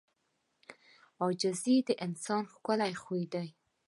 • عاجزي د انسان ښکلی خوی دی.